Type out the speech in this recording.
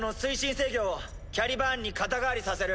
制御をキャリバーンに肩代わりさせる。